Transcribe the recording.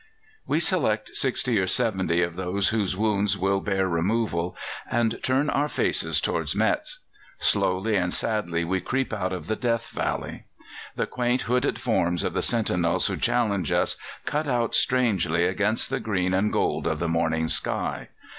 "We select sixty or seventy of those whose wounds will bear removal, and turn our faces towards Metz. Slowly and sadly we creep out of the death valley. The quaint hooded forms of the sentinels who challenge us cut out strangely against the green and gold of the morning sky.